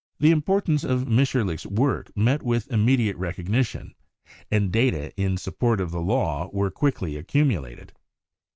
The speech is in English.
The importance of Mitscherlich's work met with imme diate recognition, and data in support of the law were quickly accumulated.